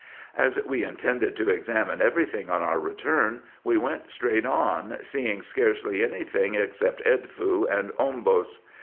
As we intended to examine every thing on our return, we went straight on, seeing scarcely any thing except Edfu and Ombos.